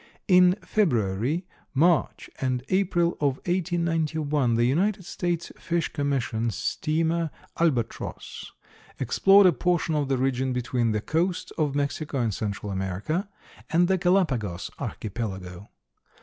In February, March and April of 1891 the United States Fish Commission steamer Albatross explored a portion of the region between the coasts of Mexico and Central America and the Galapagos Archipelago.